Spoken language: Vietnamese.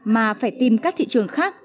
mà phải tìm các thị trường khác ổn định